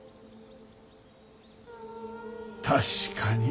確かに。